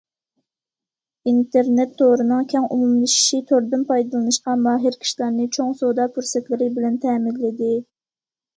ئىنتېرنېت تورىنىڭ كەڭ ئومۇملىشىشى توردىن پايدىلىنىشقا ماھىر كىشىلەرنى چوڭ سودا پۇرسەتلىرى بىلەن تەمىنلىدى.